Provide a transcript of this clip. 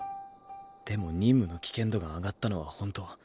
でも任務の危険度が上がったのはほんと。